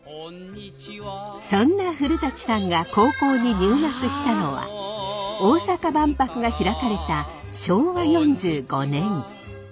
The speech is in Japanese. そんな古さんが高校に入学したのは大阪万博が開かれた昭和４５年。